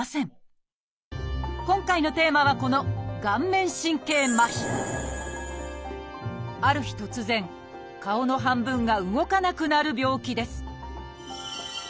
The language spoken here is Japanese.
今回のテーマはこのある日突然顔の半分が動かなくなる病気です